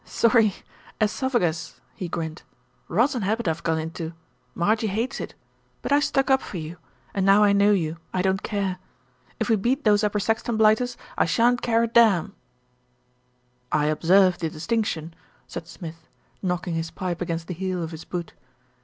"Sorry, oesophagus," he grinned. "Rotten habit I've got into. Marjie hates it; but I stuck up for you, and now I know you, I don't care. If we beat those Upper Saxton blighters, I shan't care a damn." "I observe the distinction," said Smith, knocking his pipe against the heel of his boot.